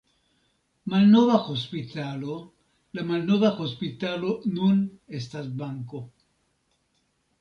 Malnova hospitalo: La malnova hospitalo nun estas banko.